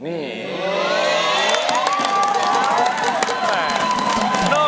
นี่โอ้โฮ